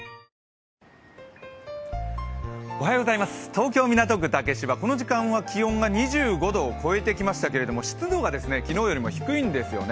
東京・港区竹芝、この時間は気温が２５度を超えてきましたけれども湿度が昨日よりも低いんですよね。